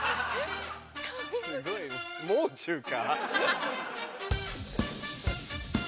すごい「もう中」か？